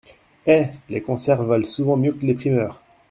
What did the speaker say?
Hé ! les conserves valent souvent mieux que les primeurs !